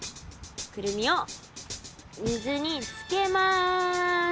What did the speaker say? クルミを水につけます。